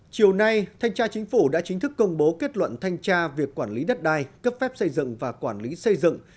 chiều nay thanh tra chính phủ đã chính thức công bố kết luận thanh tra việc quản lý đất đai cấp phép xây dựng và quản lý xây dựng